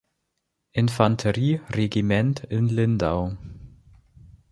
Infanterieregiment in Lindau.